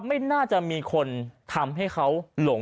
ไม่น่าจะมีคนทำให้เขาหลง